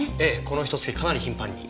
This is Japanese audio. このひと月かなり頻繁に。